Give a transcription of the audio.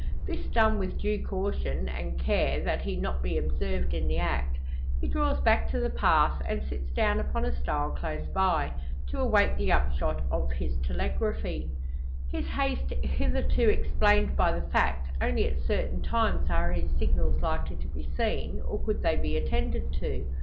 This done with due caution, and care that he be not observed in the act, he draws back to the path, and sits down upon a stile close by to await the upshot of his telegraphy. His haste hitherto explained by the fact, only at certain times are his signals likely to be seen, or could they be attended to.